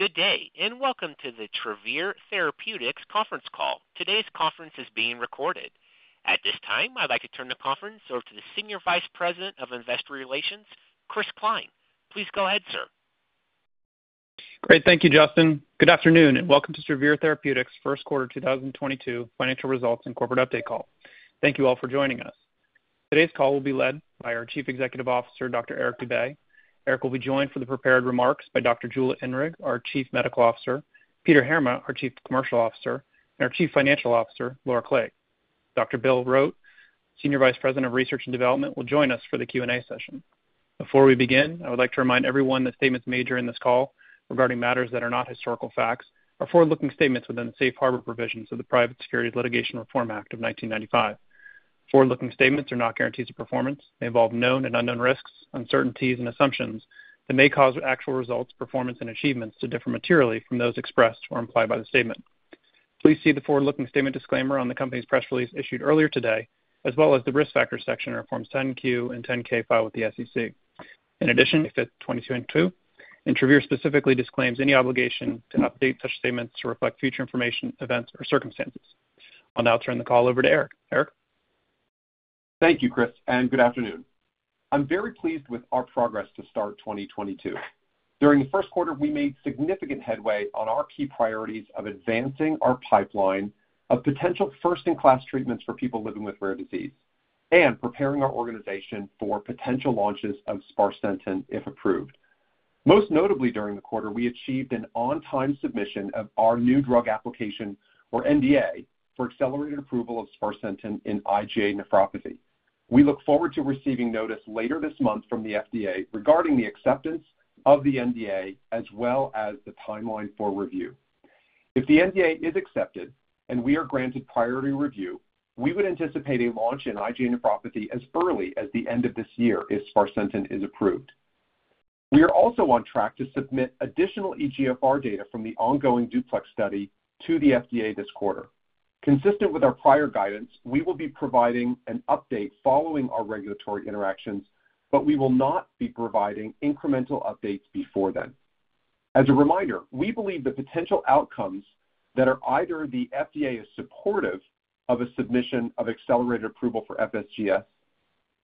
Good day, and welcome to the Travere Therapeutics conference call. Today's conference is being recorded. At this time, I'd like to turn the conference over to the Senior Vice President of Investor Relations, Chris Cline. Please go ahead, sir. Great. Thank you, Justin. Good afternoon, and welcome to Travere Therapeutics' first quarter 2022 financial results and corporate update call. Thank you all for joining us. Today's call will be led by our Chief Executive Officer, Dr. Eric Dube. Eric will be joined for the prepared remarks by Dr. Jula Inrig, our Chief Medical Officer, Peter Heerma, our Chief Commercial Officer, and our Chief Financial Officer, Laura Clague. Dr. William Rote, Senior Vice President of Research and Development, will join us for the Q&A session. Before we begin, I would like to remind everyone that statements made during this call regarding matters that are not historical facts are forward-looking statements within the safe harbor provisions of the Private Securities Litigation Reform Act of 1995. Forward-looking statements are not guarantees of performance and involve known and unknown risks, uncertainties, and assumptions that may cause actual results, performance, and achievements to differ materially from those expressed or implied by the statement. Please see the forward-looking statement disclaimer on the company's press release issued earlier today, as well as the Risk Factors section in our Form 10-Q and 10-K filed with the SEC. In addition, in 2022, Travere specifically disclaims any obligation to update such statements to reflect future information, events, or circumstances. I'll now turn the call over to Eric. Eric? Thank you, Chris, and good afternoon. I'm very pleased with our progress to start 2022. During the first quarter, we made significant headway on our key priorities of advancing our pipeline of potential first-in-class treatments for people living with rare disease and preparing our organization for potential launches of sparsentan, if approved. Most notably during the quarter, we achieved an on-time submission of our new drug application or NDA for accelerated approval of sparsentan in IgA nephropathy. We look forward to receiving notice later this month from the FDA regarding the acceptance of the NDA as well as the timeline for review. If the NDA is accepted and we are granted priority review, we would anticipate a launch in IgA nephropathy as early as the end of this year if sparsentan is approved. We are also on track to submit additional EGFR data from the ongoing DUPLEX study to the FDA this quarter. Consistent with our prior guidance, we will be providing an update following our regulatory interactions, but we will not be providing incremental updates before then. As a reminder, we believe the potential outcomes that are either the FDA is supportive of a submission of accelerated approval for FSGS,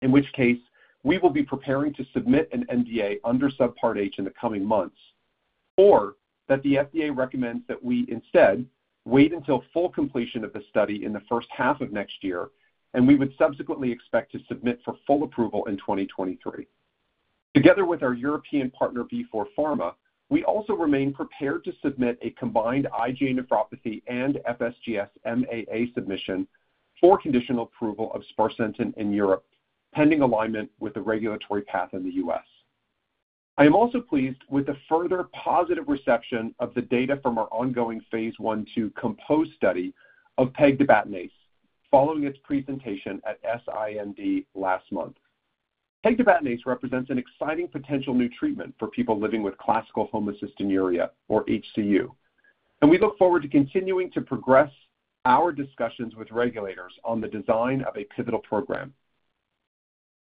in which case we will be preparing to submit an NDA under Subpart H in the coming months, or that the FDA recommends that we instead wait until full completion of the study in the first half of next year, and we would subsequently expect to submit for full approval in 2023. Together with our European partner, Vifor Pharma, we also remain prepared to submit a combined IgA nephropathy and FSGS MAA submission for conditional approval of sparsentan in Europe, pending alignment with the regulatory path in the US. I am also pleased with the further positive reception of the data from our ongoing phase 1/2 COMPOSE study of pegtibatinase following its presentation at SIMD last month. Pegtibatinase represents an exciting potential new treatment for people living with classical homocystinuria, or HCU, and we look forward to continuing to progress our discussions with regulators on the design of a pivotal program.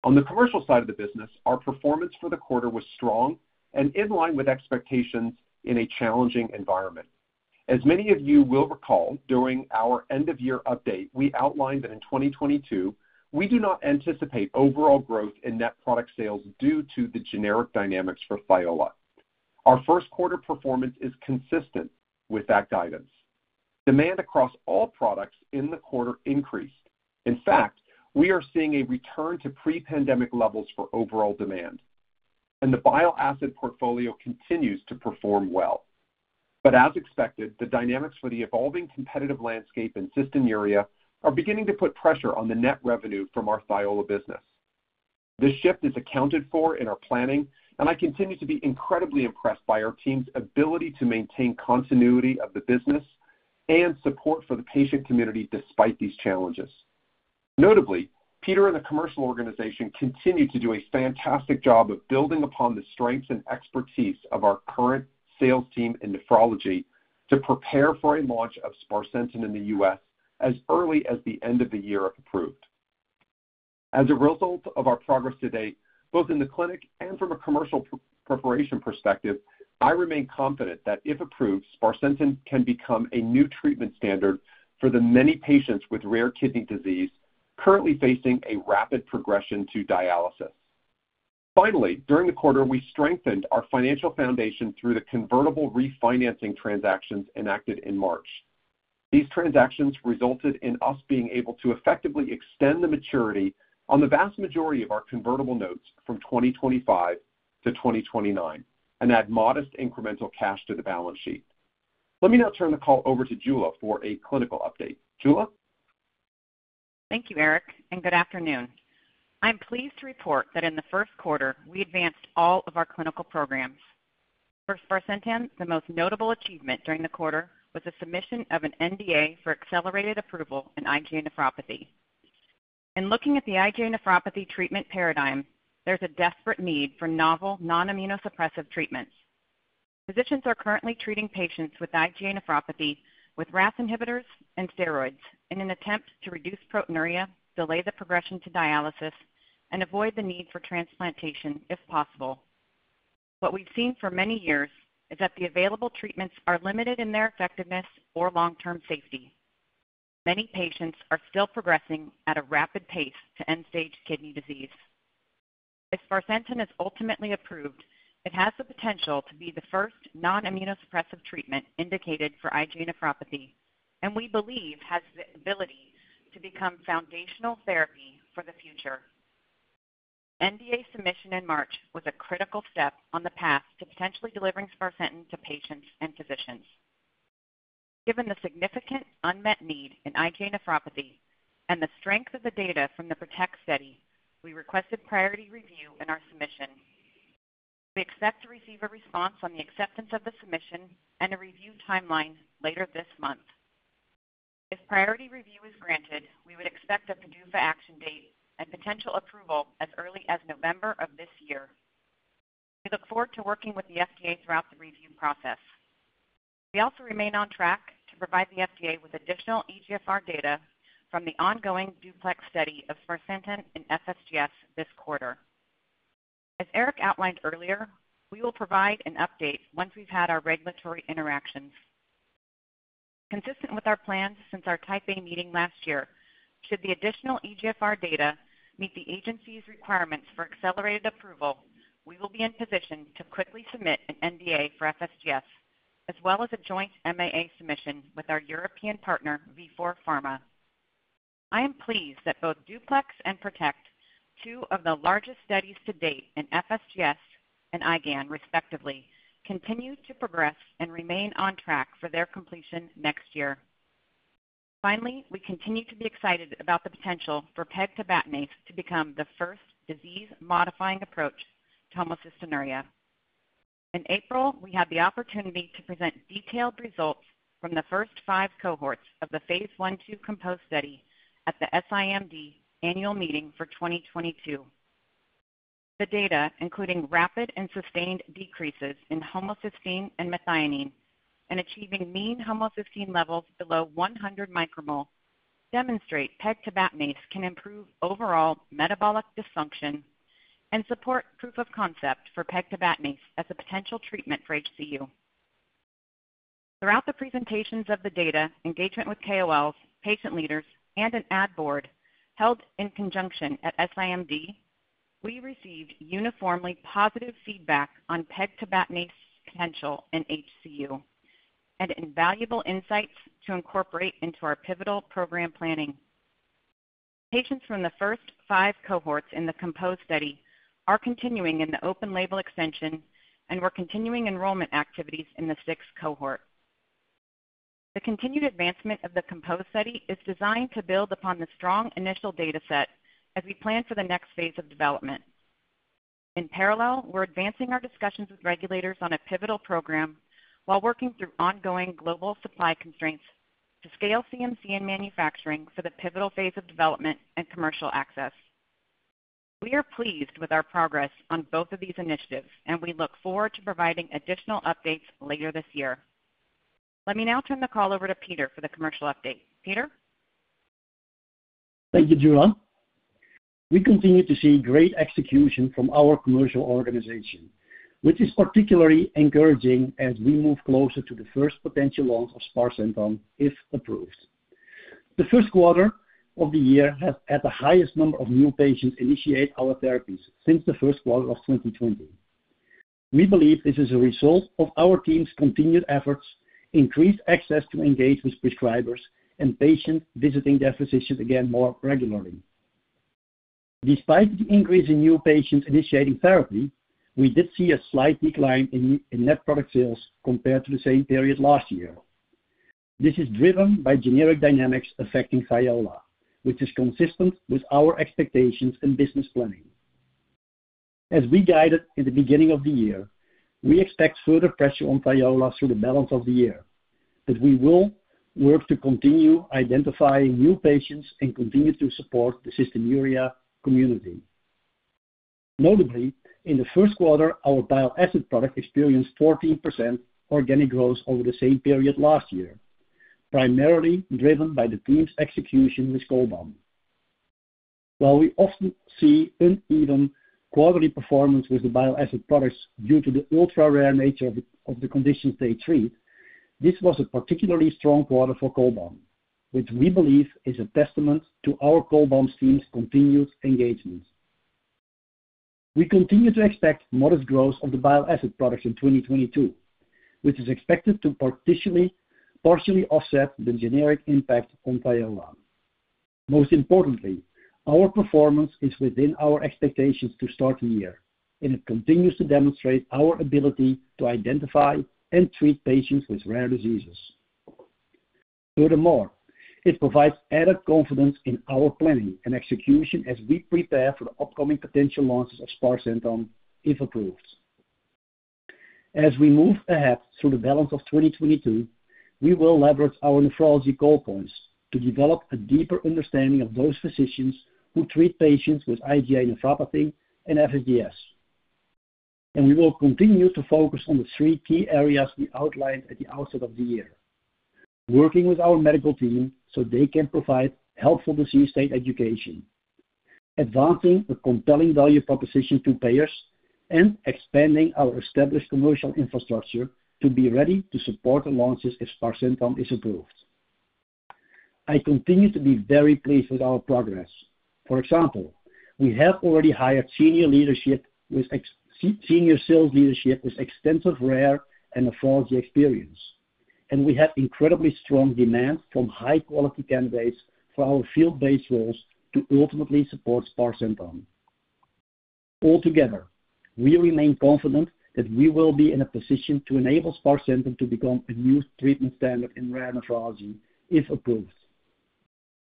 On the commercial side of the business, our performance for the quarter was strong and in line with expectations in a challenging environment. As many of you will recall, during our end-of-year update, we outlined that in 2022, we do not anticipate overall growth in net product sales due to the generic dynamics for Thiola. Our first quarter performance is consistent with that guidance. Demand across all products in the quarter increased. In fact, we are seeing a return to pre-pandemic levels for overall demand, and the bile acid portfolio continues to perform well. As expected, the dynamics for the evolving competitive landscape in cystinuria are beginning to put pressure on the net revenue from our Thiola business. This shift is accounted for in our planning, and I continue to be incredibly impressed by our team's ability to maintain continuity of the business and support for the patient community despite these challenges. Notably, Peter and the commercial organization continue to do a fantastic job of building upon the strengths and expertise of our current sales team in nephrology to prepare for a launch of sparsentan in the U.S. as early as the end of the year, if approved. As a result of our progress to date, both in the clinic and from a commercial preparation perspective, I remain confident that if approved, sparsentan can become a new treatment standard for the many patients with rare kidney disease currently facing a rapid progression to dialysis. Finally, during the quarter, we strengthened our financial foundation through the convertible refinancing transactions enacted in March. These transactions resulted in us being able to effectively extend the maturity on the vast majority of our convertible notes from 2025 to 2029 and add modest incremental cash to the balance sheet. Let me now turn the call over to Jula for a clinical update. Jula? Thank you, Eric, and good afternoon. I'm pleased to report that in the first quarter, we advanced all of our clinical programs. For sparsentan, the most notable achievement during the quarter was the submission of an NDA for accelerated approval in IgA nephropathy. In looking at the IgA nephropathy treatment paradigm, there's a desperate need for novel non-immunosuppressive treatments. Physicians are currently treating patients with IgA nephropathy with RAS inhibitors and steroids in an attempt to reduce proteinuria, delay the progression to dialysis, and avoid the need for transplantation if possible. What we've seen for many years is that the available treatments are limited in their effectiveness or long-term safety. Many patients are still progressing at a rapid pace to end-stage kidney disease. If sparsentan is ultimately approved, it has the potential to be the first non-immunosuppressive treatment indicated for IgA nephropathy, and we believe has the abilities to become foundational therapy for the future. NDA submission in March was a critical step on the path to potentially delivering sparsentan to patients and physicians. Given the significant unmet need in IgA nephropathy and the strength of the data from the PROTECT study, we requested priority review in our submission. We expect to receive a response on the acceptance of the submission and a review timeline later this month. If priority review is granted, we would expect a PDUFA action date and potential approval as early as November of this year. We look forward to working with the FDA throughout the review process. We also remain on track to provide the FDA with additional eGFR data from the ongoing DUPLEX study of sparsentan and FSGS this quarter. As Eric outlined earlier, we will provide an update once we've had our regulatory interactions. Consistent with our plans since our Type A meeting last year, should the additional eGFR data meet the agency's requirements for accelerated approval, we will be in position to quickly submit an NDA for FSGS, as well as a joint MAA submission with our European partner, Vifor Pharma. I am pleased that both DUPLEX and PROTECT, two of the largest studies to date in FSGS and IgAN, respectively, continue to progress and remain on track for their completion next year. Finally, we continue to be excited about the potential for pegtibatinase to become the first disease-modifying approach to homocystinuria. In April, we had the opportunity to present detailed results from the first five cohorts of the phase 1/2 COMPOSE study at the SIMD annual meeting for 2022. The data, including rapid and sustained decreases in homocysteine and methionine, and achieving mean homocysteine levels below 100 micromole, demonstrate pegtibatinase can improve overall metabolic dysfunction and support proof of concept for pegtibatinase as a potential treatment for HCU. Throughout the presentations of the data, engagement with KOLs, patient leaders, and an ad board held in conjunction at SIMD, we received uniformly positive feedback on pegtibatinase potential in HCU and invaluable insights to incorporate into our pivotal program planning. Patients from the first five cohorts in the COMPOSE study are continuing in the open label extension, and we're continuing enrollment activities in the sixth cohort. The continued advancement of the COMPOSE study is designed to build upon the strong initial data set as we plan for the next phase of development. In parallel, we're advancing our discussions with regulators on a pivotal program while working through ongoing global supply constraints to scale CMC and manufacturing for the pivotal phase of development and commercial access. We are pleased with our progress on both of these initiatives, and we look forward to providing additional updates later this year. Let me now turn the call over to Peter for the commercial update. Peter? Thank you, Jula. We continue to see great execution from our commercial organization, which is particularly encouraging as we move closer to the first potential launch of sparsentan, if approved. The first quarter of the year had the highest number of new patients initiate our therapies since the first quarter of 2020. We believe this is a result of our team's continued efforts, increased access to engage with prescribers, and patients visiting their physicians again more regularly. Despite the increase in new patients initiating therapy, we did see a slight decline in net product sales compared to the same period last year. This is driven by generic dynamics affecting Thiola, which is consistent with our expectations and business planning. As we guided in the beginning of the year, we expect further pressure on Thiola through the balance of the year, but we will work to continue identifying new patients and continue to support the cystinuria community. Notably, in the first quarter, our bile acid product experienced 14% organic growth over the same period last year, primarily driven by the team's execution with Cholbam. While we often see uneven quarterly performance with the bile acid products due to the ultra-rare nature of the conditions they treat, this was a particularly strong quarter for Cholbam, which we believe is a testament to our Cholbam team's continued engagement. We continue to expect modest growth of the bile acid products in 2022, which is expected to partially offset the generic impact on Thiola. Most importantly, our performance is within our expectations to start the year, and it continues to demonstrate our ability to identify and treat patients with rare diseases. Furthermore, it provides added confidence in our planning and execution as we prepare for the upcoming potential launches of sparsentan, if approved. As we move ahead through the balance of 2022, we will leverage our nephrology call points to develop a deeper understanding of those physicians who treat patients with IgA nephropathy and FSGS. We will continue to focus on the three key areas we outlined at the outset of the year, working with our medical team so they can provide helpful disease state education, advancing a compelling value proposition to payers and expanding our established commercial infrastructure to be ready to support the launches if sparsentan is approved. I continue to be very pleased with our progress. For example, we have already hired senior leadership with senior sales leadership with extensive rare and nephrology experience, and we have incredibly strong demand from high-quality candidates for our field-based roles to ultimately support sparsentan. Altogether, we remain confident that we will be in a position to enable sparsentan to become a new treatment standard in rare nephrology if approved.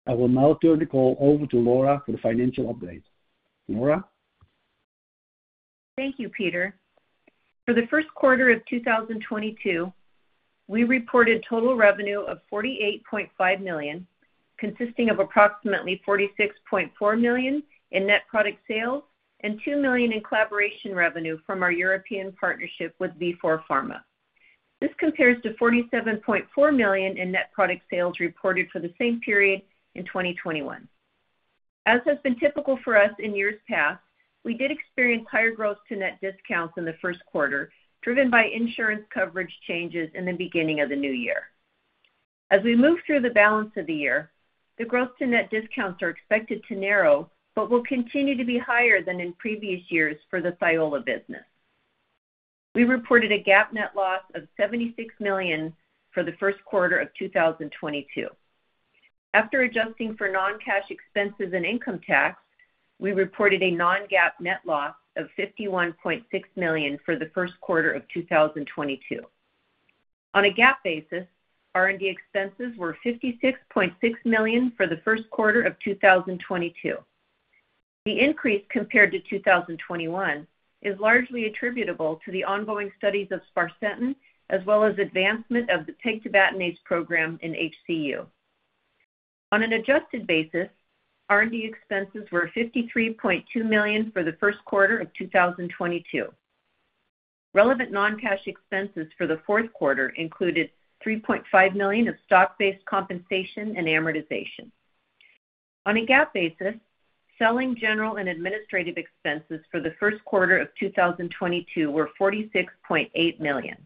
I will now turn the call over to Laura for the financial update. Laura? Thank you, Peter. For the first quarter of 2022, we reported total revenue of $48.5 million, consisting of approximately $46.4 million in net product sales and $2 million in collaboration revenue from our European partnership with Vifor Pharma. This compares to $47.4 million in net product sales reported for the same period in 2021. As has been typical for us in years past, we did experience higher gross-to-net discounts in the first quarter, driven by insurance coverage changes in the beginning of the new year. As we move through the balance of the year, the gross-to-net discounts are expected to narrow, but will continue to be higher than in previous years for the Thiola business. We reported a GAAP net loss of $76 million for the first quarter of 2022. After adjusting for non-cash expenses and income tax, we reported a non-GAAP net loss of $51.6 million for the first quarter of 2022. On a GAAP basis, R&D expenses were $56.6 million for the first quarter of 2022. The increase compared to 2021 is largely attributable to the ongoing studies of sparsentan, as well as advancement of the pegtibatinase program in HCU. On an adjusted basis, R&D expenses were $53.2 million for the first quarter of 2022. Relevant non-cash expenses for the fourth quarter included $3.5 million of stock-based compensation and amortization. On a GAAP basis, selling general and administrative expenses for the first quarter of 2022 were $46.8 million.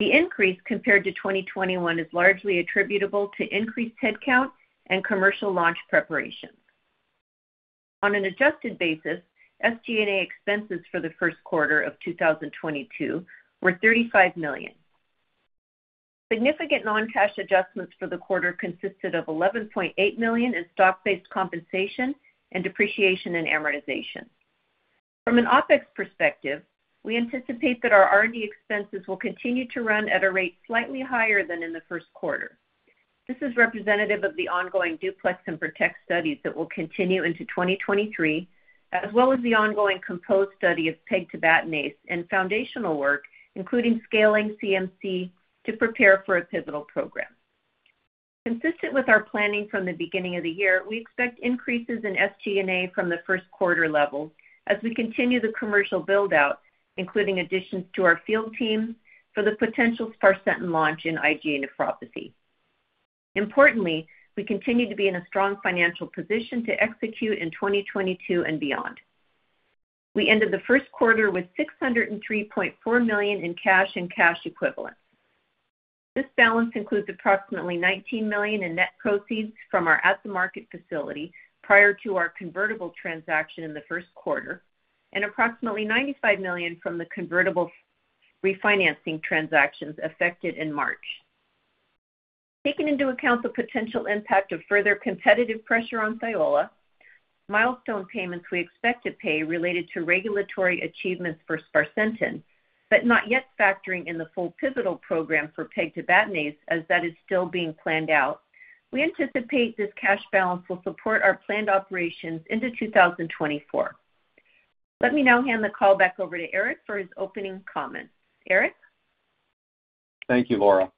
The increase compared to 2021 is largely attributable to increased headcount and commercial launch preparations. On an adjusted basis, SG&A expenses for the first quarter of 2022 were $35 million. Significant non-cash adjustments for the quarter consisted of $11.8 million in stock-based compensation and depreciation and amortization. From an OpEx perspective, we anticipate that our R&D expenses will continue to run at a rate slightly higher than in the first quarter. This is representative of the ongoing DUPLEX and PROTECT studies that will continue into 2023, as well as the ongoing COMPOSE study of pegtibatinase and foundational work, including scaling CMC to prepare for a pivotal program. Consistent with our planning from the beginning of the year, we expect increases in SG&A from the first quarter level as we continue the commercial build-out, including additions to our field team for the potential sparsentan launch in IgA nephropathy. Importantly, we continue to be in a strong financial position to execute in 2022 and beyond. We ended the first quarter with $603.4 million in cash and cash equivalents. This balance includes approximately $19 million in net proceeds from our at-the-market facility prior to our convertible transaction in the first quarter and approximately $95 million from the convertible refinancing transactions affected in March. Taking into account the potential impact of further competitive pressure on Thiola, milestone payments we expect to pay related to regulatory achievements for sparsentan, but not yet factoring in the full pivotal program for pegtibatinase as that is still being planned out. We anticipate this cash balance will support our planned operations into 2024. Let me now hand the call back over to Eric for his opening comments. Eric? Thank you, Laura.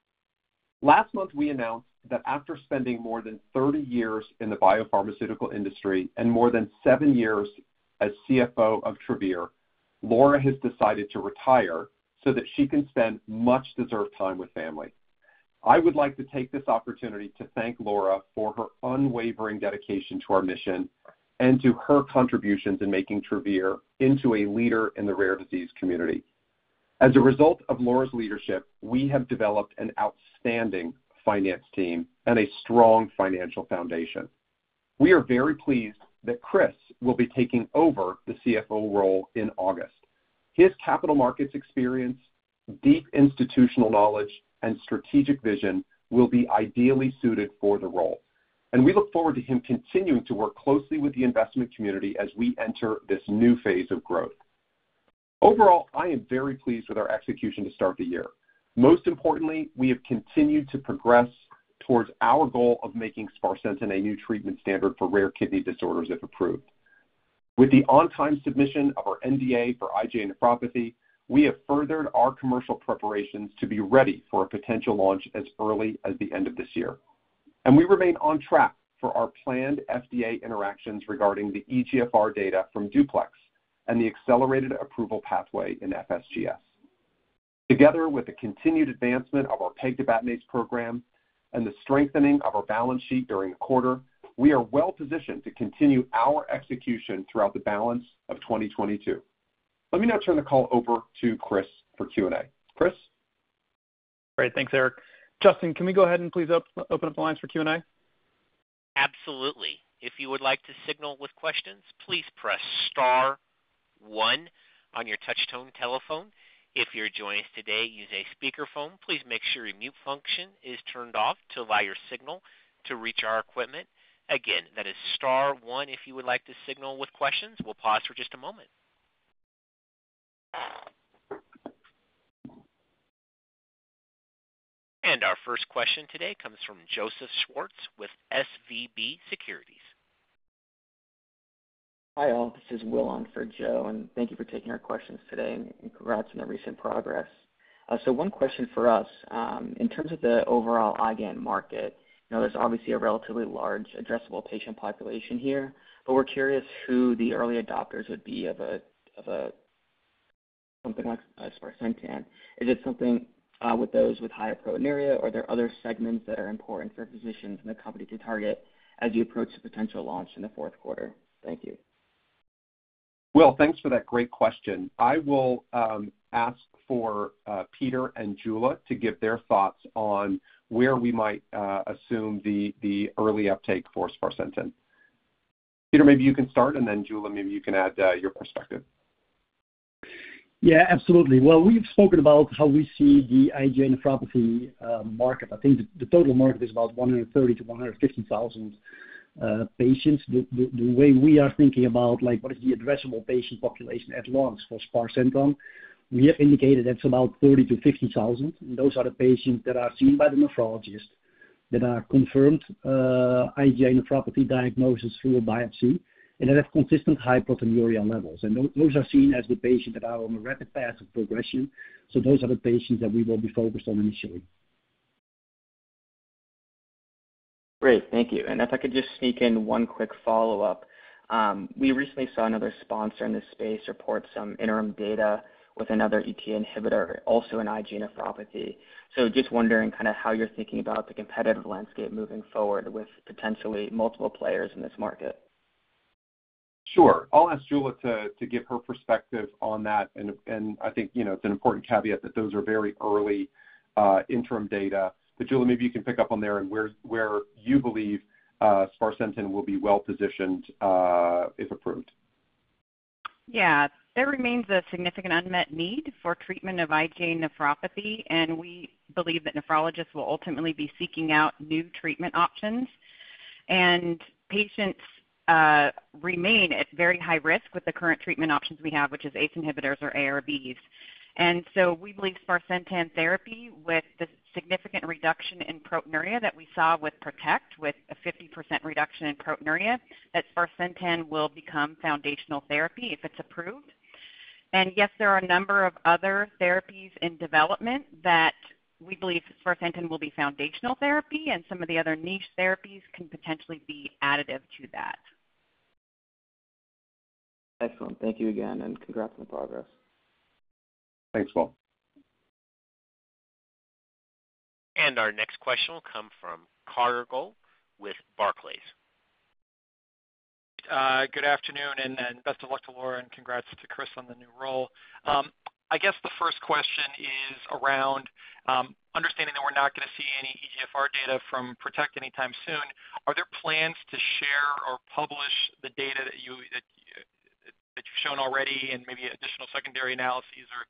Last month, we announced that after spending more than 30 years in the biopharmaceutical industry and more than seven years as CFO of Travere, Laura has decided to retire so that she can spend much-deserved time with family. I would like to take this opportunity to thank Laura for her unwavering dedication to our mission and to her contributions in making Travere into a leader in the rare disease community. As a result of Laura's leadership, we have developed an outstanding finance team and a strong financial foundation. We are very pleased that Chris will be taking over the CFO role in August. His capital markets experience, deep institutional knowledge, and strategic vision will be ideally suited for the role, and we look forward to him continuing to work closely with the investment community as we enter this new phase of growth. Overall, I am very pleased with our execution to start the year. Most importantly, we have continued to progress towards our goal of making sparsentan a new treatment standard for rare kidney disorders, if approved. With the on-time submission of our NDA for IgA nephropathy, we have furthered our commercial preparations to be ready for a potential launch as early as the end of this year, and we remain on track for our planned FDA interactions regarding the eGFR data from DUPLEX and the accelerated approval pathway in FSGS. Together with the continued advancement of our pegtibatinase program and the strengthening of our balance sheet during the quarter, we are well positioned to continue our execution throughout the balance of 2022. Let me now turn the call over to Chris for Q&A. Chris? Great. Thanks, Eric. Justin, can we go ahead and please open up the lines for Q&A? Absolutely. If you would like to signal with questions, please press star one on your touchtone telephone. If you're joining us today using a speaker phone, please make sure your mute function is turned off to allow your signal to reach our equipment. Again, that is star one if you would like to signal with questions. We'll pause for just a moment. Our first question today comes from Joseph Schwartz with SVB Securities. Hi, all. This is Will on for Joe, and thank you for taking our questions today, and congrats on the recent progress. One question for us, in terms of the overall IgAN market, you know, there's obviously a relatively large addressable patient population here, but we're curious who the early adopters would be of something like sparsentan. Is it something with those with higher proteinuria, or are there other segments that are important for physicians and the company to target as you approach the potential launch in the fourth quarter? Thank you. Will, thanks for that great question. I will ask for Peter and Jula to give their thoughts on where we might assume the early uptake for sparsentan. Peter, maybe you can start, and then Jula, maybe you can add your perspective. Yeah, absolutely. Well, we've spoken about how we see the IgA nephropathy market. I think the total market is about 130,000-150,000 patients. The way we are thinking about, like, what is the addressable patient population at launch for sparsentan, we have indicated it's about 30,000-50,000. Those are the patients that are seen by the nephrologist that are confirmed IgA nephropathy diagnosis through a biopsy and that have consistent high proteinuria levels. Those are seen as the patients that are on a rapid path of progression. Those are the patients that we will be focused on initially. Great. Thank you. If I could just sneak in one quick follow-up. We recently saw another sponsor in this space report some interim data with another ET inhibitor, also an IgA nephropathy. Just wondering kind of how you're thinking about the competitive landscape moving forward with potentially multiple players in this market. Sure. I'll ask Jula to give her perspective on that. I think, you know, it's an important caveat that those are very early interim data. Jula, maybe you can pick up on there and where you believe sparsentan will be well positioned if approved. Yeah. There remains a significant unmet need for treatment of IgA nephropathy, and we believe that nephrologists will ultimately be seeking out new treatment options. Patients remain at very high risk with the current treatment options we have, which is ACE inhibitors or ARBs. We believe sparsentan therapy with the significant reduction in proteinuria that we saw with PROTECT, with a 50% reduction in proteinuria, that sparsentan will become foundational therapy if it's approved. Yes, there are a number of other therapies in development that we believe sparsentan will be foundational therapy, and some of the other niche therapies can potentially be additive to that. Excellent. Thank you again, and congrats on the progress. Thanks, Will. Our next question will come from Carter Gould with Barclays. Good afternoon, and then best of luck to Laura, and congrats to Chris on the new role. I guess the first question is around understanding that we're not gonna see any eGFR data from PROTECT anytime soon, are there plans to share or publish the data that you've shown already and maybe additional secondary analyses or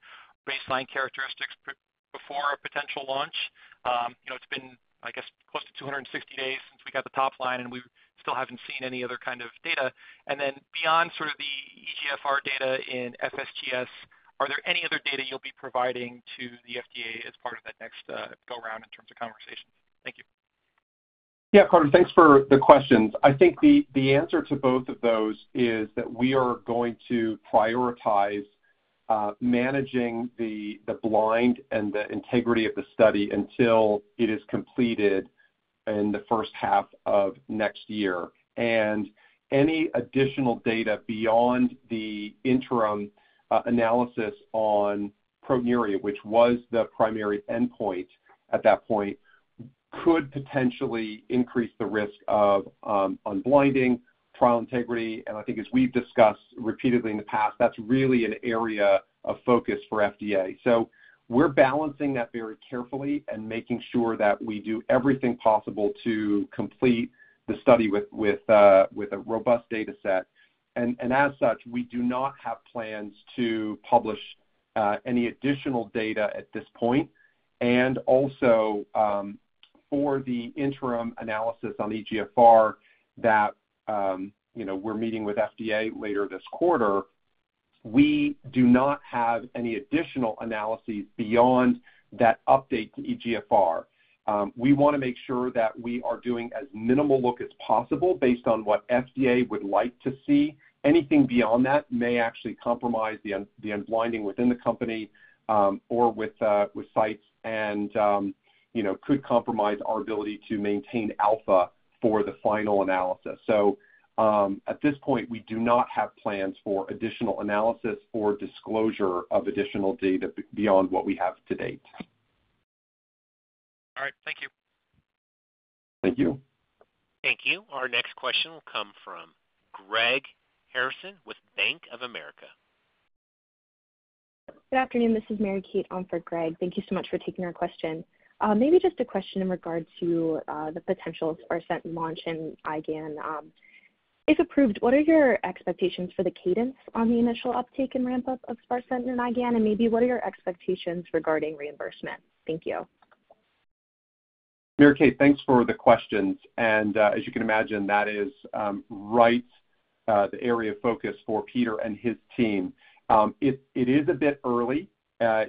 baseline characteristics before a potential launch? You know, it's been, I guess, close to 260 days since we got the top line, and we still haven't seen any other kind of data. Beyond sort of the eGFR data in FSGS, are there any other data you'll be providing to the FDA as part of that next go around in terms of conversations? Thank you. Yeah, Carter, thanks for the questions. I think the answer to both of those is that we are going to prioritize managing the blind and the integrity of the study until it is completed in the first half of next year. Any additional data beyond the interim analysis on proteinuria, which was the primary endpoint at that point, could potentially increase the risk of unblinding trial integrity. I think as we've discussed repeatedly in the past, that's really an area of focus for FDA. We're balancing that very carefully and making sure that we do everything possible to complete the study with a robust data set. As such, we do not have plans to publish any additional data at this point. For the interim analysis on eGFR that, you know, we're meeting with FDA later this quarter, we do not have any additional analyses beyond that update to eGFR. We wanna make sure that we are doing as minimal look as possible based on what FDA would like to see. Anything beyond that may actually compromise the unblinding within the company, or with sites and, you know, could compromise our ability to maintain alpha for the final analysis. At this point, we do not have plans for additional analysis or disclosure of additional data beyond what we have to date. Thank you. Thank you. Our next question will come from Greg Harrison with Bank of America. Good afternoon. This is Mary Kate on for Greg. Thank you so much for taking our question. Maybe just a question in regard to the potential of sparsentan launch in IgAN. If approved, what are your expectations for the cadence on the initial uptake and ramp-up of sparsentan in IgAN? And maybe what are your expectations regarding reimbursement? Thank you. Mary Kate, thanks for the questions. As you can imagine, that is right, the area of focus for Peter and his team. It is a bit early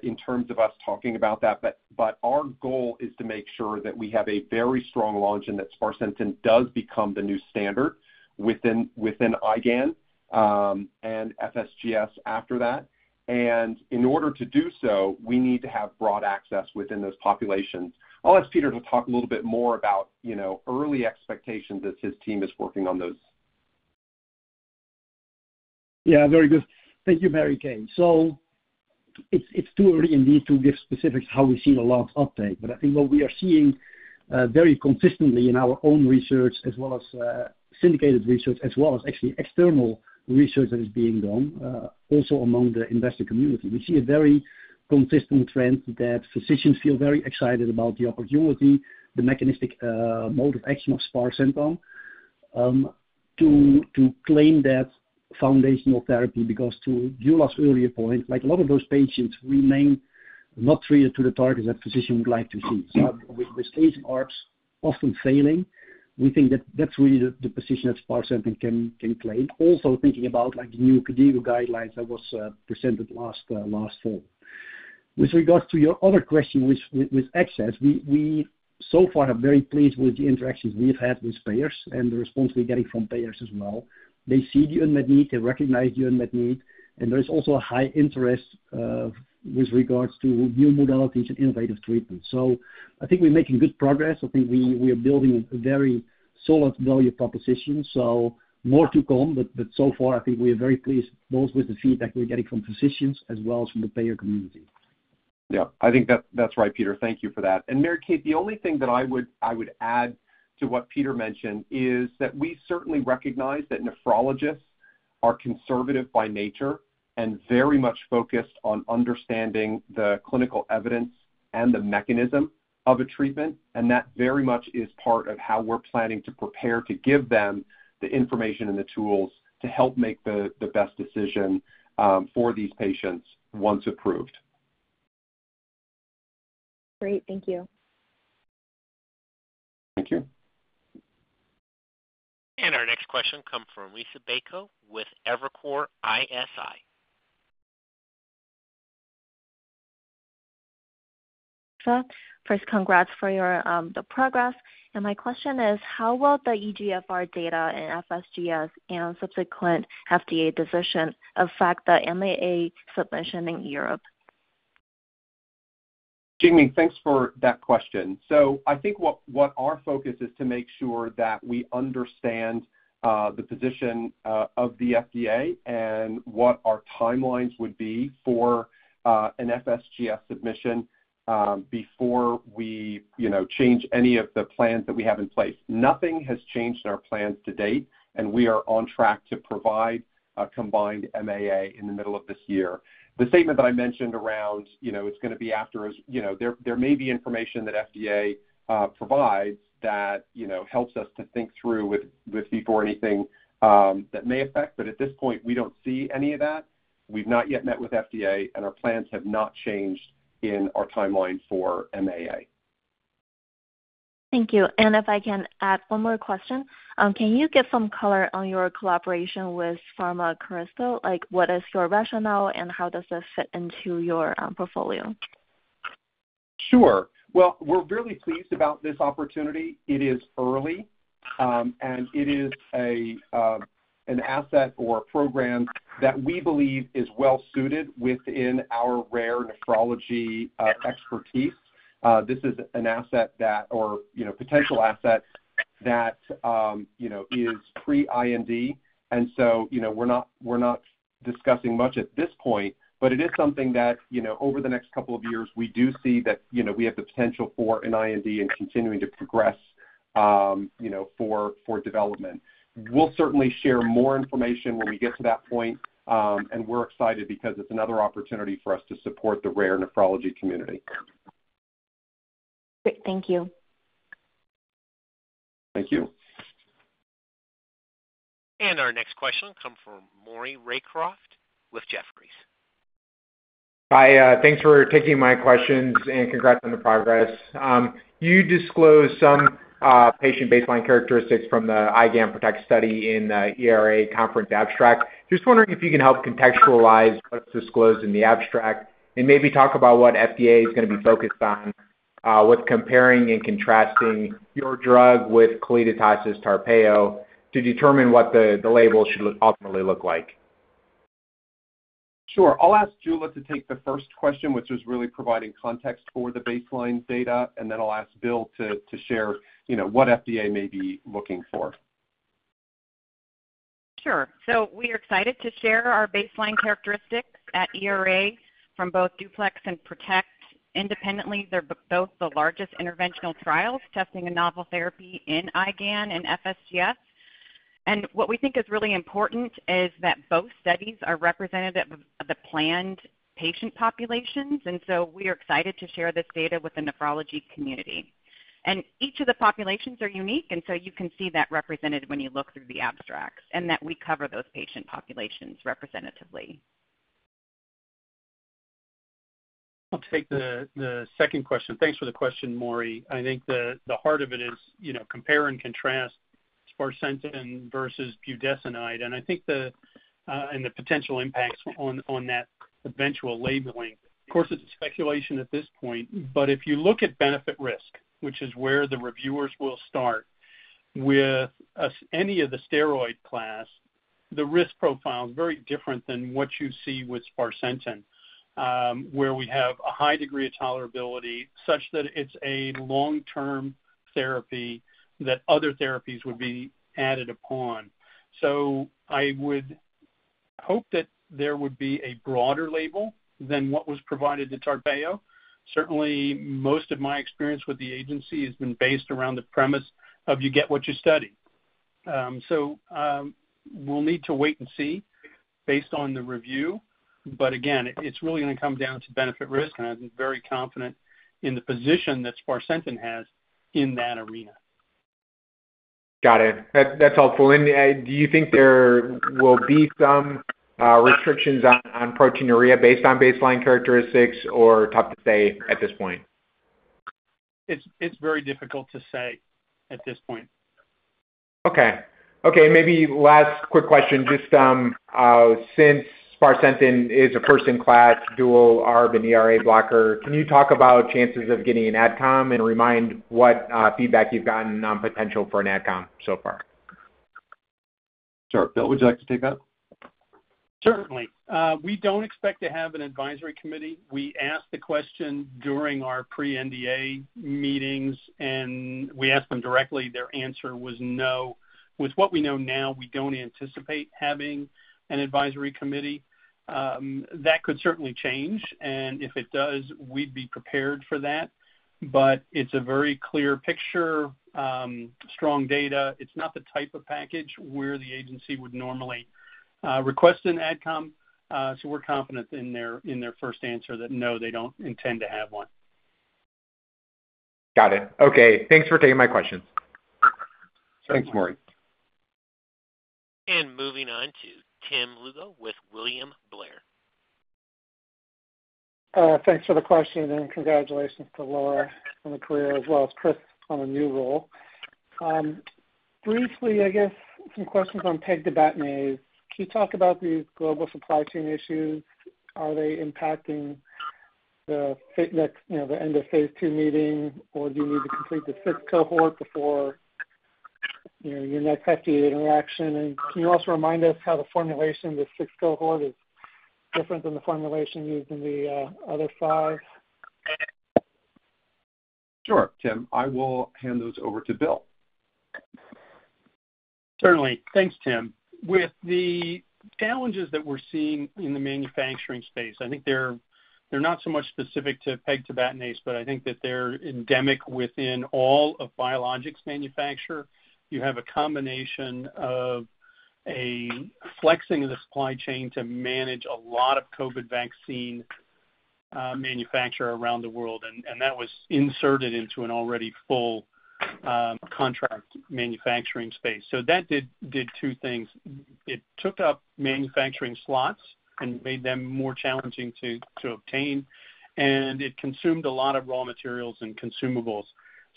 in terms of us talking about that, but our goal is to make sure that we have a very strong launch and that sparsentan does become the new standard within IgAN and FSGS after that. In order to do so, we need to have broad access within those populations. I'll ask Peter to talk a little bit more about, you know, early expectations as his team is working on those. Yeah, very good. Thank you, Mary Kate. It's too early indeed to give specifics how we've seen a large uptake. I think what we are seeing very consistently in our own research as well as syndicated research, as well as actually external research that is being done also among the investor community. We see a very consistent trend that physicians feel very excited about the opportunity, the mechanistic mode of action of sparsentan to claim that foundational therapy because to Jules' earlier point, like a lot of those patients remain not treated to the target that physician would like to see. With the standard ARBs often failing, we think that that's really the position that sparsentan can claim. Also thinking about like new KDIGO guidelines that was presented last fall. With regards to your other question with access, we so far are very pleased with the interactions we've had with payers and the response we're getting from payers as well. They see the unmet need, they recognize the unmet need, and there is also a high interest with regards to new modalities and innovative treatments. I think we're making good progress. I think we are building a very solid value proposition. More to come, but so far, I think we are very pleased both with the feedback we're getting from physicians as well as from the payer community. Yeah. I think that's right, Peter. Thank you for that. Mary Kate, the only thing that I would add to what Peter mentioned is that we certainly recognize that nephrologists are conservative by nature and very much focused on understanding the clinical evidence and the mechanism of a treatment, and that very much is part of how we're planning to prepare to give them the information and the tools to help make the best decision for these patients once approved. Great. Thank you. Thank you. Our next question comes from Liisa Bayko with Evercore ISI. First, congrats for your progress. My question is, how will the eGFR data in FSGS and subsequent FDA decision affect the MAA submission in Europe? Jimmy, thanks for that question. I think what our focus is to make sure that we understand the position of the FDA and what our timelines would be for an FSGS submission before we, you know, change any of the plans that we have in place. Nothing has changed in our plans to date, and we are on track to provide a combined MAA in the middle of this year. The statement that I mentioned around, you know, it's gonna be after us. You know, there may be information that FDA provides that, you know, helps us to think through with before anything that may affect. At this point, we don't see any of that. We've not yet met with FDA, and our plans have not changed in our timeline for MAA. Thank you. If I can add one more question. Can you give some color on your collaboration with CSL Vifor? Like, what is your rationale and how does this fit into your portfolio? Sure. Well, we're really pleased about this opportunity. It is early, and it is an asset or a program that we believe is well suited within our rare nephrology expertise. This is a potential asset that, you know, is pre-IND. You know, we're not discussing much at this point, but it is something that, you know, over the next couple of years, we do see that, you know, we have the potential for an IND and continuing to progress, you know, for development. We'll certainly share more information when we get to that point, and we're excited because it's another opportunity for us to support the rare nephrology community. Great. Thank you. Thank you. Our next question comes from Maury Raycroft with Jefferies. Hi. Thanks for taking my questions, and congrats on the progress. You disclosed some patient baseline characteristics from the IgAN PROTECT study in the ERA conference abstract. Just wondering if you can help contextualize what's disclosed in the abstract and maybe talk about what FDA is gonna be focused on with comparing and contrasting your drug with Calliditas' Tarpeyo to determine what the label should ultimately look like. Sure. I'll ask Jula to take the first question, which is really providing context for the baseline data, and then I'll ask Will to share, you know, what FDA may be looking for. Sure. We are excited to share our baseline characteristics at ERA from both DUPLEX and PROTECT independently. They're both the largest interventional trials testing a novel therapy in IgAN and FSGS. What we think is really important is that both studies are representative of the planned patient populations, and so we are excited to share this data with the nephrology community. Each of the populations are unique, and so you can see that represented when you look through the abstracts and that we cover those patient populations representatively. I'll take the second question. Thanks for the question, Maury. I think the heart of it is, you know, compare and contrast sparsentan versus budesonide. I think and the potential impacts on that eventual labeling, of course, it's speculation at this point, but if you look at benefit risk, which is where the reviewers will start with any of the steroid class, the risk profile is very different than what you see with sparsentan, where we have a high degree of tolerability such that it's a long-term therapy that other therapies would be added upon. I would hope that there would be a broader label than what was provided to Tarpeyo. Certainly, most of my experience with the agency has been based around the premise of you get what you study. We'll need to wait and see based on the review. Again, it's really gonna come down to benefit risk, and I'm very confident in the position that sparsentan has in that arena. Got it. That's helpful. Do you think there will be some restrictions on proteinuria based on baseline characteristics or tough to say at this point? It's very difficult to say at this point. Okay. Okay, maybe last quick question. Just, since sparsentan is a first-in-class dual ARB and ERA blocker, can you talk about chances of getting an Ad Com and remind what, feedback you've gotten on potential for an Ad Com so far? Sure. Bill, would you like to take that? Certainly. We don't expect to have an advisory committee. We asked the question during our pre-NDA meetings, and we asked them directly. Their answer was no. With what we know now, we don't anticipate having an advisory committee. That could certainly change, and if it does, we'd be prepared for that. It's a very clear picture, strong data. It's not the type of package where the agency would normally request an Ad Com, so we're confident in their first answer that no, they don't intend to have one. Got it. Okay. Thanks for taking my questions. Thanks, Maury. Moving on to Tim Lugo with William Blair. Thanks for the question, and congratulations to Laura on the career as well as Chris on the new role. Briefly, I guess some questions on pegtibatinase. Can you talk about the global supply chain issues? Are they impacting the end of phase two meeting, or do you need to complete the sixth cohort before your next FDA interaction? And can you also remind us how the formulation, the sixth cohort is different than the formulation used in the other five? Sure, Tim. I will hand those over to Bill. Certainly. Thanks, Tim. With the challenges that we're seeing in the manufacturing space, I think they're not so much specific to pegtibatinase, but I think that they're endemic within all of biologics manufacturing. You have a combination of a flexing of the supply chain to manage a lot of COVID vaccine manufacture around the world, and that was inserted into an already full contract manufacturing space. So that did two things. It took up manufacturing slots and made them more challenging to obtain, and it consumed a lot of raw materials and consumables.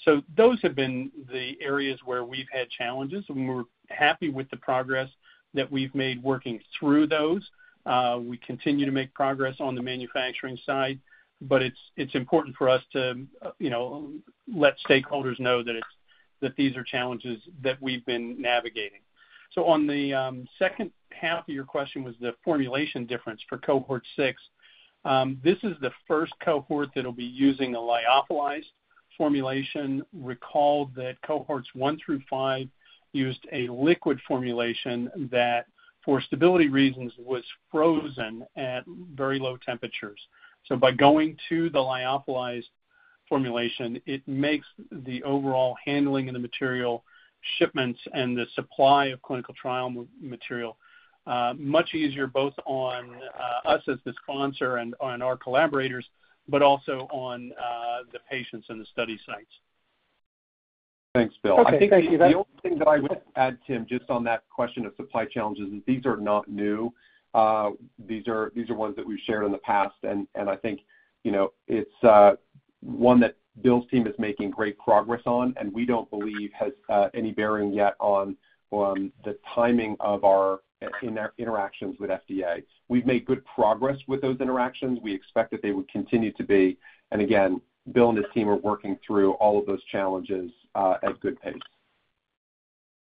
So those have been the areas where we've had challenges, and we're happy with the progress that we've made working through those. We continue to make progress on the manufacturing side, but it's important for us to, you know, let stakeholders know that these are challenges that we've been navigating. On the second half of your question was the formulation difference for cohort six. This is the first cohort that'll be using a lyophilized formulation. Recall that cohorts one through five used a liquid formulation that for stability reasons was frozen at very low temperatures. By going to the lyophilized formulation, it makes the overall handling of the material shipments and the supply of clinical trial material much easier both on us as the sponsor and on our collaborators, but also on the patients and the study sites. Thanks, Bill. Okay. Thank you. I think the only thing that I would add, Tim, just on that question of supply challenges is these are not new. These are ones that we've shared in the past, and I think, you know, it's one that Bill's team is making great progress on and we don't believe has any bearing yet on the timing of our interactions with FDA. We've made good progress with those interactions. We expect that they would continue to be. Again, Bill and his team are working through all of those challenges at good pace.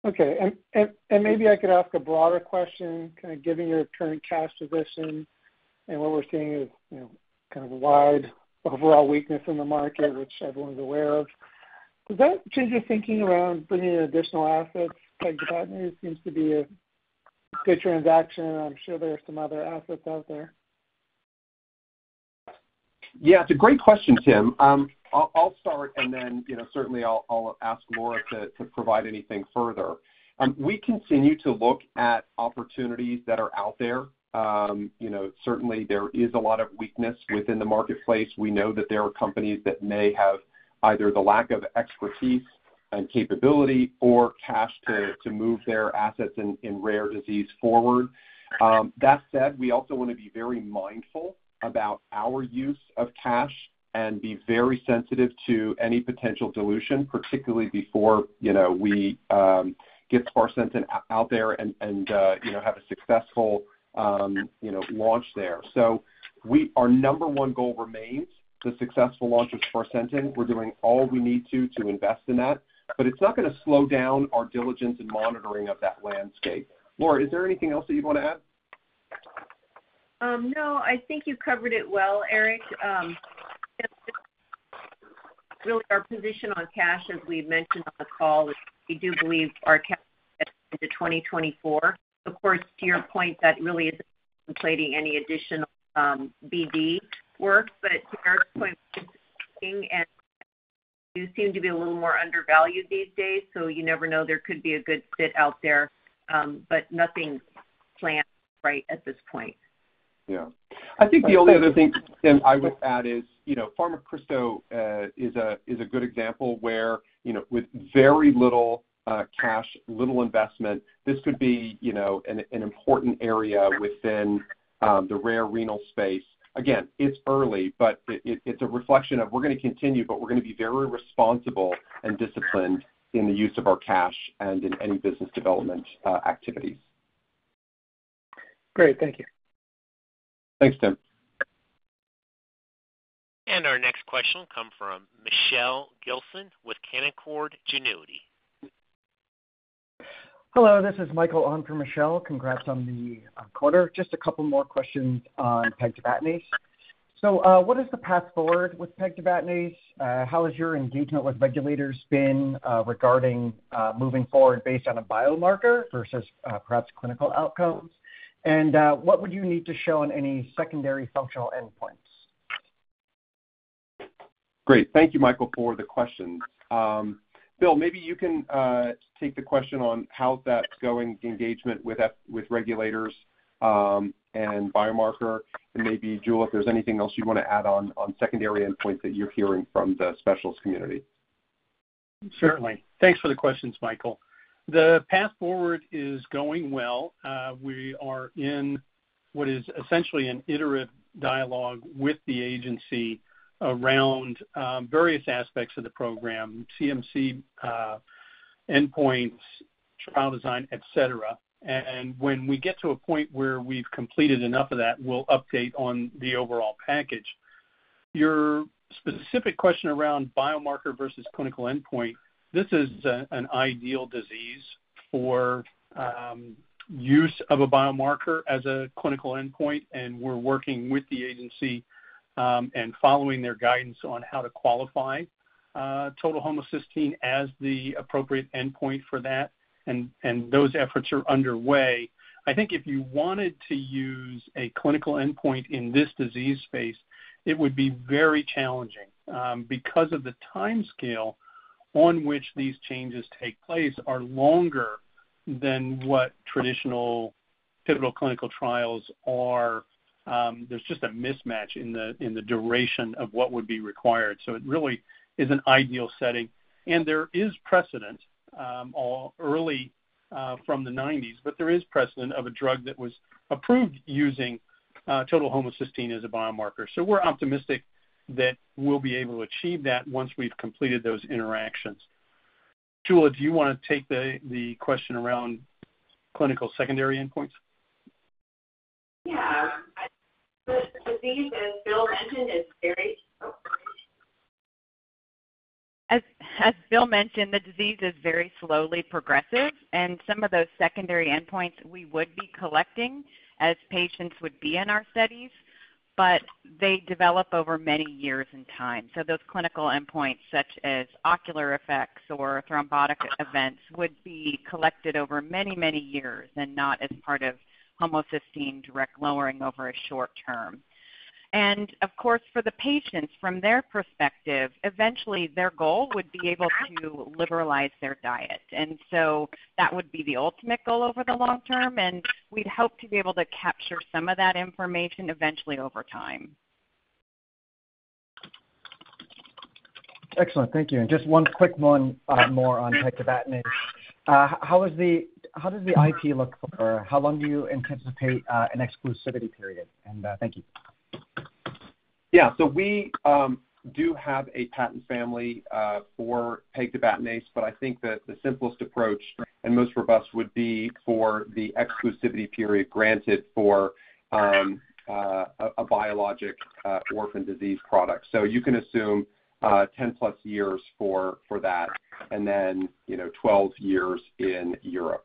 Okay. Maybe I could ask a broader question, kinda giving your current cash position and what we're seeing is, you know, kind of a wide overall weakness in the market, which everyone's aware of. Does that change your thinking around bringing in additional assets? Pegtibatinase seems to be a good transaction. I'm sure there are some other assets out there. Yeah, it's a great question, Tim. I'll start, and then, you know, certainly I'll ask Laura to provide anything further. We continue to look at opportunities that are out there. You know, certainly there is a lot of weakness within the marketplace. We know that there are companies that may have either the lack of expertise and capability or cash to move their assets in rare disease forward. That said, we also wanna be very mindful about our use of cash and be very sensitive to any potential dilution, particularly before, you know, we get sparsentan out there and you know have a successful launch there. Our number one goal remains the successful launch of sparsentan. We're doing all we need to invest in that, but it's not gonna slow down our diligence and monitoring of that landscape. Laura, is there anything else that you wanna add? No, I think you covered it well, Eric. Just really our position on cash, as we've mentioned on the call, we do believe our cash gets into 2024. Of course, to your point, that really isn't contemplating any additional BD work. To Eric's point, we do seem to be a little more undervalued these days, so you never know there could be a good fit out there, but nothing planned right at this point. Yeah. I think the only other thing, Tim, I would add is, you know, Vifor Pharma is a good example where, you know, with very little cash, little investment, this could be, you know, an important area within the rare renal space. Again, it's early, but it's a reflection that we're gonna continue, but we're gonna be very responsible and disciplined in the use of our cash and in any business development activities. Great. Thank you. Thanks, Tim. Our next question will come from Michelle Gilson with Canaccord Genuity. Hello, this is Michael on for Michelle. Congrats on the quarter. Just a couple more questions on pegtibatinase. What is the path forward with pegtibatinase? How has your engagement with regulators been regarding moving forward based on a biomarker versus perhaps clinical outcomes? What would you need to show on any secondary functional endpoints? Great. Thank you, Michael, for the questions. Bill, maybe you can take the question on how that's going, the engagement with regulators, and biomarker. Maybe, Jula, if there's anything else you wanna add on secondary endpoint that you're hearing from the specialist community. Certainly. Thanks for the questions, Michael. The path forward is going well. We are in what is essentially an iterative dialogue with the agency around various aspects of the program, CMC, endpoints, trial design, et cetera. When we get to a point where we've completed enough of that, we'll update on the overall package. Your specific question around biomarker versus clinical endpoint, this is an ideal disease for use of a biomarker as a clinical endpoint, and we're working with the agency and following their guidance on how to qualify total homocysteine as the appropriate endpoint for that. Those efforts are underway. I think if you wanted to use a clinical endpoint in this disease space, it would be very challenging, because of the timescale on which these changes take place are longer than what traditional pivotal clinical trials are. There's just a mismatch in the duration of what would be required. It really is an ideal setting. There is precedent, all early, from the nineties, but there is precedent of a drug that was approved using total homocysteine as a biomarker. We're optimistic that we'll be able to achieve that once we've completed those interactions. Jula, do you wanna take the question around clinical secondary endpoints? As Bill mentioned, the disease is very slowly progressive, and some of those secondary endpoints we would be collecting as patients would be in our studies, but they develop over many years in time. Those clinical endpoints such as ocular effects or thrombotic events would be collected over many, many years and not as part of homocysteine direct lowering over a short term. Of course, for the patients from their perspective, eventually their goal would be able to liberalize their diet. That would be the ultimate goal over the long term, and we'd hope to be able to capture some of that information eventually over time. Excellent. Thank you. Just one quick one, more on pegtibatinase. How does the IP look for? How long do you anticipate an exclusivity period? Thank you. Yeah. We do have a patent family for pegtibatinase, but I think that the simplest approach and most robust would be for the exclusivity period granted for a biologic orphan disease product. You can assume +10 years for that and then, you know, 12 years in Europe.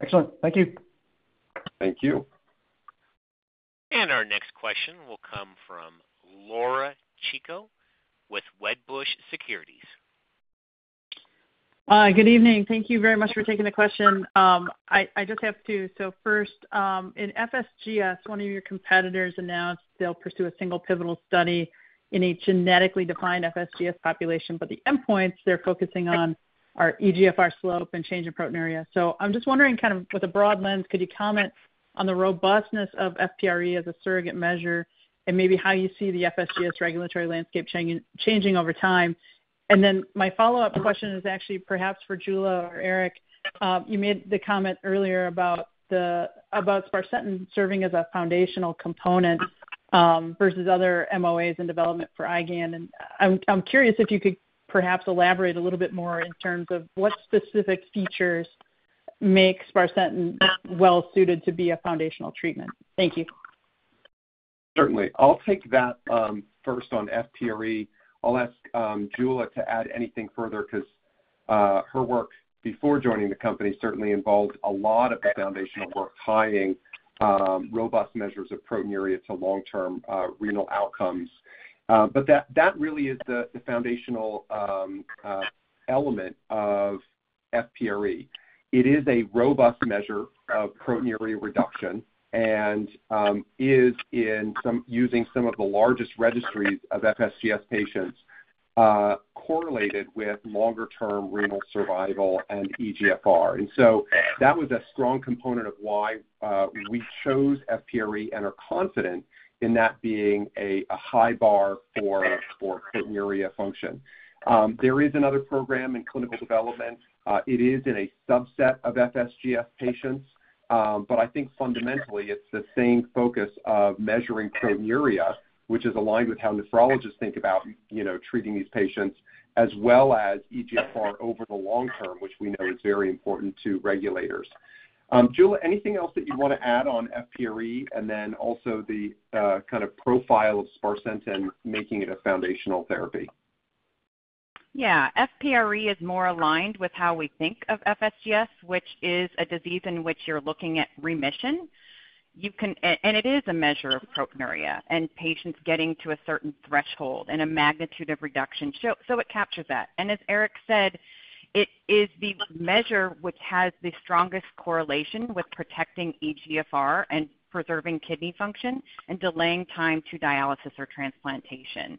Excellent. Thank you. Thank you. Our next question will come from Laura Chico with Wedbush Securities. Good evening. Thank you very much for taking the question. I just have to. First, in FSGS, one of your competitors announced they'll pursue a single pivotal study in a genetically defined FSGS population, but the endpoints they're focusing on are EGFR slope and change in proteinuria. I'm just wondering, kind of with a broad lens, could you comment on the robustness of FPRE as a surrogate measure and maybe how you see the FSGS regulatory landscape changing over time? Then my follow-up question is actually perhaps for Julia or Eric. You made the comment earlier about sparsentan serving as a foundational component versus other MOAs in development for IgAN. I'm curious if you could perhaps elaborate a little bit more in terms of what specific features make sparsentan well suited to be a foundational treatment. Thank you. Certainly. I'll take that, first on FPRE. I'll ask Jula to add anything further 'cause her work before joining the company certainly involved a lot of the foundational work tying robust measures of proteinuria to long-term renal outcomes. That really is the foundational element of FPRE. It is a robust measure of proteinuria reduction and using some of the largest registries of FSGS patients correlated with longer term renal survival and EGFR. That was a strong component of why we chose FPRE and are confident in that being a high bar for proteinuria function. There is another program in clinical development. It is in a subset of FSGS patients, but I think fundamentally it's the same focus of measuring proteinuria, which is aligned with how nephrologists think about, you know, treating these patients as well as EGFR over the long term, which we know is very important to regulators. Jula, anything else that you wanna add on FPRE? Also the kind of profile of sparsentan making it a foundational therapy. Yeah. FPRE is more aligned with how we think of FSGS, which is a disease in which you're looking at remission. It is a measure of proteinuria and patients getting to a certain threshold and a magnitude of reduction. It captures that. As Eric said, it is the measure which has the strongest correlation with protecting EGFR and preserving kidney function and delaying time to dialysis or transplantation.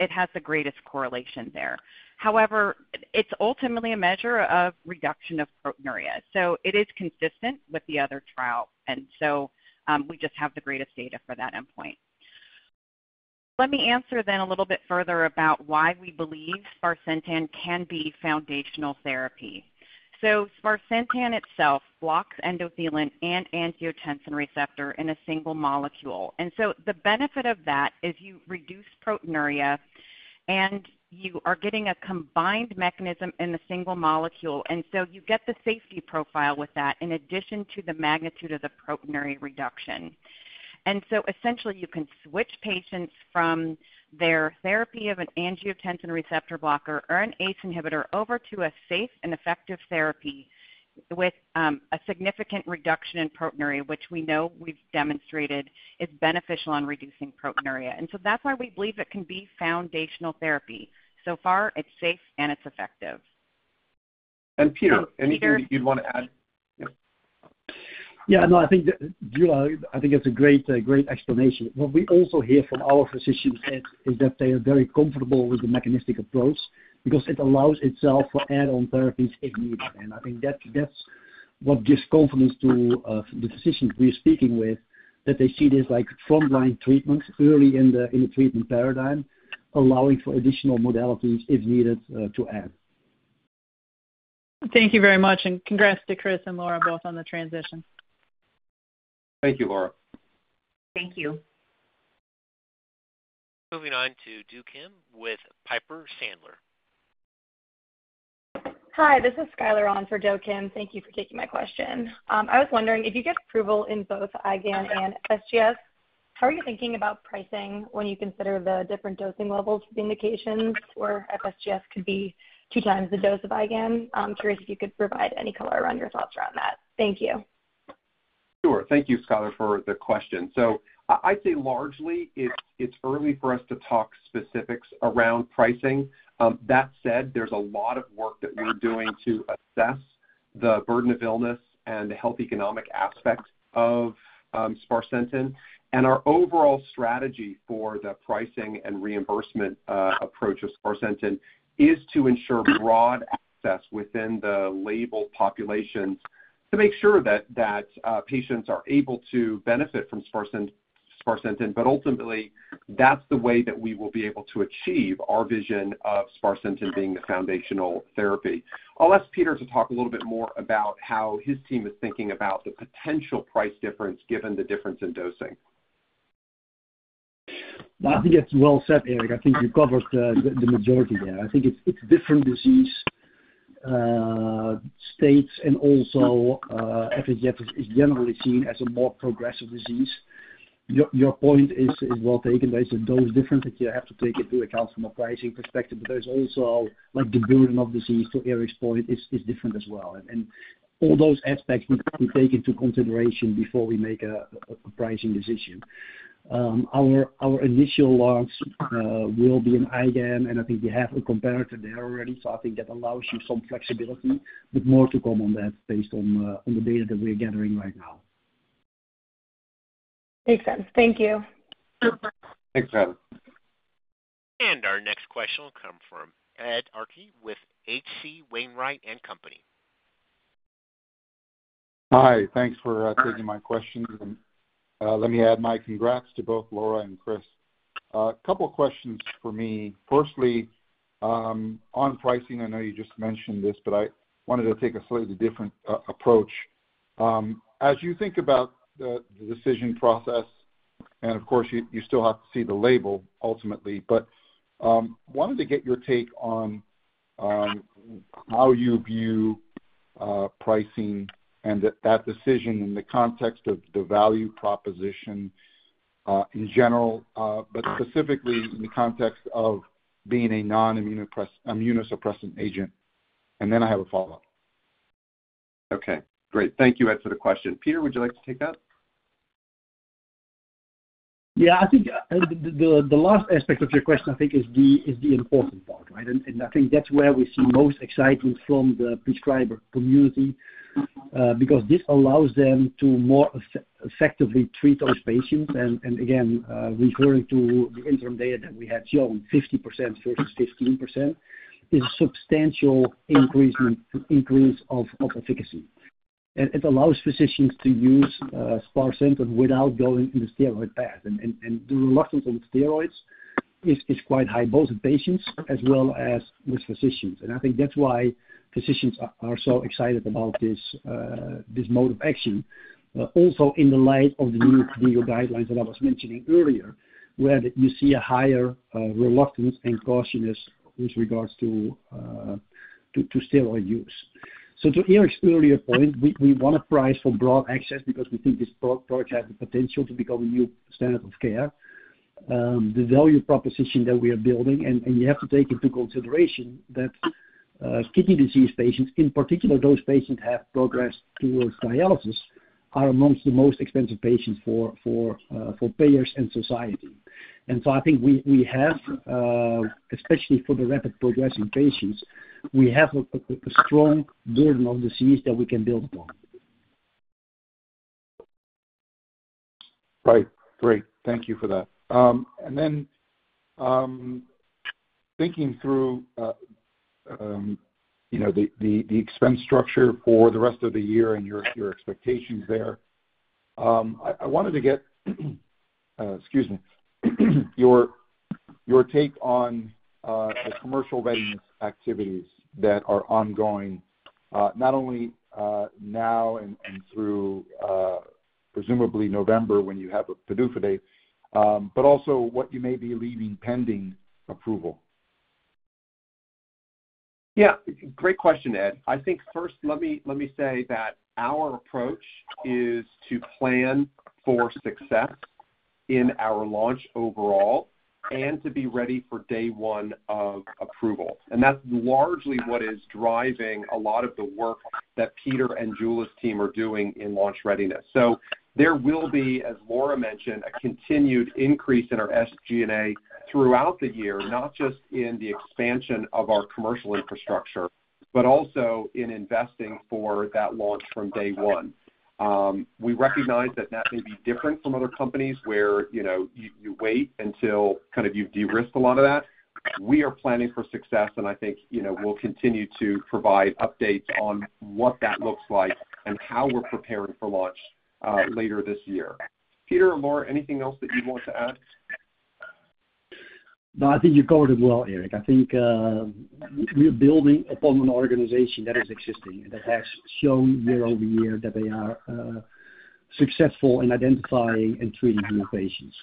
It has the greatest correlation there. However, it's ultimately a measure of reduction of proteinuria, so it is consistent with the other trial. We just have the greatest data for that endpoint. Let me answer then a little bit further about why we believe sparsentan can be foundational therapy. Sparsentan itself blocks endothelin and angiotensin receptor in a single molecule. The benefit of that is you reduce proteinuria and you are getting a combined mechanism in a single molecule, and so you get the safety profile with that in addition to the magnitude of the proteinuria reduction. Essentially you can switch patients from their therapy of an angiotensin receptor blocker or an ACE inhibitor over to a safe and effective therapy with a significant reduction in proteinuria, which we know we've demonstrated is beneficial in reducing proteinuria. That's why we believe it can be foundational therapy. So far it's safe and it's effective. Peter, anything that you'd want to add? Yeah. No, I think that, Jula, I think that's a great explanation. What we also hear from our physicians is that they are very comfortable with the mechanistic approach because it allows itself for add-on therapies if needed. I think that's what gives confidence to the physicians we're speaking with, that they see this like frontline treatment early in the treatment paradigm, allowing for additional modalities if needed to add. Thank you very much, and congrats to Chris and Laura both on the transition. Thank you, Laura. Thank you. Moving on to Do Kim with Piper Sandler. Hi, this is Skylar on for Do Kim. Thank you for taking my question. I was wondering if you get approval in both IgAN and FSGS, how are you thinking about pricing when you consider the different dosing levels for the indications where FSGS could be two times the dose of IgAN? I'm curious if you could provide any color around your thoughts around that. Thank you. Sure. Thank you, Skylar, for the question. I'd say largely it's early for us to talk specifics around pricing. That said, there's a lot of work that we're doing to assess the burden of illness and the health economic aspects of sparsentan. Our overall strategy for the pricing and reimbursement approach of sparsentan is to ensure broad access within the label populations to make sure that patients are able to benefit from sparsentan, but ultimately that's the way that we will be able to achieve our vision of sparsentan being the foundational therapy. I'll ask Peter to talk a little bit more about how his team is thinking about the potential price difference given the difference in dosing. I think that's well said, Eric. I think you covered the majority there. I think it's different disease states and also FSGS is generally seen as a more progressive disease. Your point is well taken. There's those differences you have to take into account from a pricing perspective, but there's also like the burden of disease, so Eric's point is different as well. All those aspects need to be taken into consideration before we make a pricing decision. Our initial launch will be in IgAN, and I think we have a competitor there already, so I think that allows you some flexibility, but more to come on that based on the data that we're gathering right now. Makes sense. Thank you. Thanks, Skylar. Our next question will come from Ed Arce with H.C. Wainwright & Co. Hi. Thanks for taking my question. Let me add my congrats to both Laura and Chris. A couple questions for me. Firstly, on pricing, I know you just mentioned this, but I wanted to take a slightly different approach. As you think about the decision process, and of course, you still have to see the label ultimately, but wanted to get your take on how you view pricing and that decision in the context of the value proposition in general, but specifically in the context of being a non-immunosuppressant agent. Then I have a follow-up. Okay, great. Thank you, Ed, for the question. Peter, would you like to take that? Yeah. I think the last aspect of your question, I think is the important part, right? I think that's where we see most excitement from the prescriber community, because this allows them to more effectively treat those patients. Again, referring to the interim data that we had shown, 50% versus 15% is a substantial increase of efficacy. It allows physicians to use sparsentan without going in the steroid path. The reluctance of steroids is quite high, both in patients as well as with physicians. I think that's why physicians are so excited about this mode of action. Also in the light of the new KDIGO guidelines that I was mentioning earlier, where you see a higher reluctance and cautiousness with regards to steroid use. To Eric's earlier point, we wanna price for broad access because we think this our product has the potential to become a new standard of care. The value proposition that we are building, and you have to take into consideration that kidney disease patients, in particular those patients who have progressed towards dialysis, are amongst the most expensive patients for payers in society. I think we have, especially for the rapid progressing patients, we have a strong burden of disease that we can build upon. Right. Great. Thank you for that. Thinking through you know the expense structure for the rest of the year and your expectations there, I wanted to get, excuse me, your take on the commercial readiness activities that are ongoing, not only now and through presumably November when you have a PDUFA date, but also what you may be leaving pending approval. Yeah, great question, Ed. I think first, let me say that our approach is to plan for success in our launch overall and to be ready for day one of approval. That's largely what is driving a lot of the work that Peter and Jules' team are doing in launch readiness. There will be, as Laura mentioned, a continued increase in our SG&A throughout the year, not just in the expansion of our commercial infrastructure, but also in investing for that launch from day one. We recognize that that may be different from other companies where, you know, you wait until kind of you've de-risked a lot of that. We are planning for success, and I think, you know, we'll continue to provide updates on what that looks like and how we're preparing for launch later this year. Peter or Laura, anything else that you want to add? No, I think you covered it well, Eric. I think we are building upon an organization that is existing, that has shown year-over-year that they are successful in identifying and treating new patients.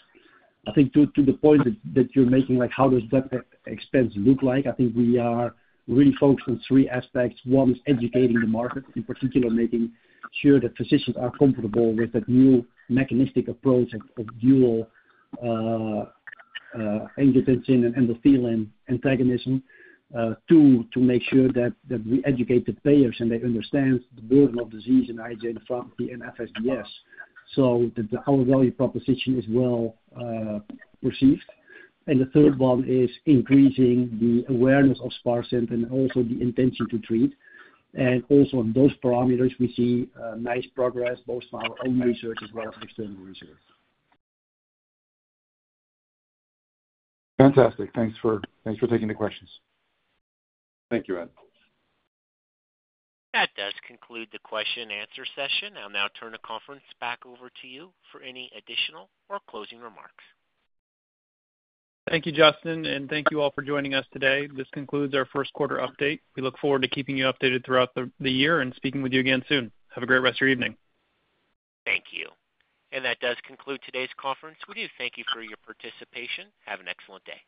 I think to the point that you're making, like how does that expense look like, I think we are really focused on three aspects. One is educating the market, in particular, making sure that physicians are comfortable with that new mechanistic approach of dual angiotensin and endothelin antagonism. Two, to make sure that we educate the payers and they understand the burden of disease in IgAN, FRAP, and FSGS, so that our value proposition is well received. The third one is increasing the awareness of sparsentan and also the intention to treat. In those parameters, we see nice progress both from our own research as well as external research. Fantastic. Thanks for taking the questions. Thank you, Ed. That does conclude the question and answer session. I'll now turn the conference back over to you for any additional or closing remarks. Thank you, Justin, and thank you all for joining us today. This concludes our first quarter update. We look forward to keeping you updated throughout the year and speaking with you again soon. Have a great rest of your evening. Thank you. That does conclude today's conference. We do thank you for your participation. Have an excellent day.